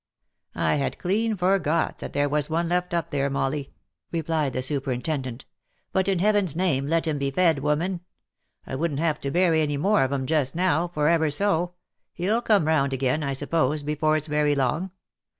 " I had clean forgot that there was one left up there, Molly," re plied the superintendent. " But in Heaven's name, let him be fed, woman — I wouldn't have to bury any more of 'em just now, for ever so — he'll come round again, I suppose, before its very long